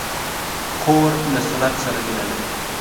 خور له سنت سره مینه لري.